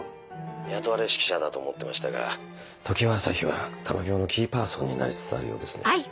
雇われ指揮者だと思ってましたが常葉朝陽は玉響のキーパーソンになりつつあるようですね。